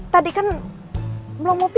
tadi kan belum mau pipi